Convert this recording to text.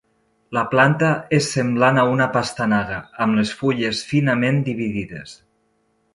La planta és semblant a una pastanaga, amb les fulles finament dividides.